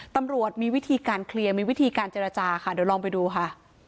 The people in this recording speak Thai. ตำรวจมีวิธีการเคลียร์มีวิธีการเจรจาค่ะเดี๋ยวลองไปดูค่ะ